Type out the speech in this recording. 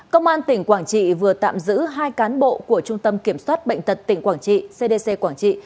công an tỉnh quảng trị vừa tạm giữ hai cán bộ của trung tâm kiểm soát bệnh tật tỉnh quảng trị